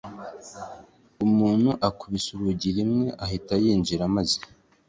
umuntu akubise urugi rimwe ahita yinjira maze